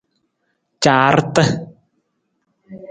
Caarata.